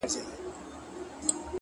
د تجربې درس تر نصیحت ژور وي